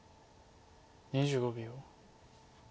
２５秒。